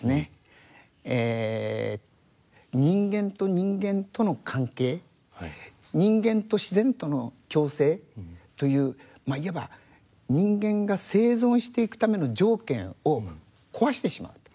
人間と人間との関係人間と自然との共生といういわば人間が生存していくための条件を壊してしまうと。